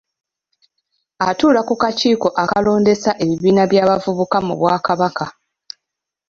Atuula ku kakiiko akalondesa ebibiina by'abavubuka mu Bwakabaka